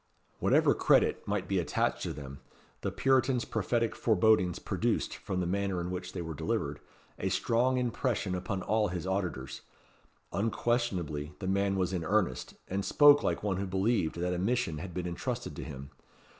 Whatever credit might be attached to them, the Puritan's prophetic forebodings produced, from the manner in which they were delivered, a strong impression upon all his auditors. Unquestionably the man was in earnest, and spoke like one who believed that a mission had been entrusted to him.